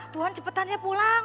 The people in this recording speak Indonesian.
tuhan cepetannya pulang